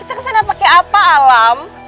kita ke sana pakai apa alam